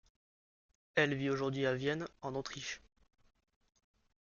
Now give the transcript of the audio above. Elle vit aujourd'hui à Vienne en Autriche.